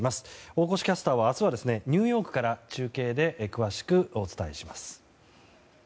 大越キャスターは明日はニューヨークから中継で詳しくお伝えします。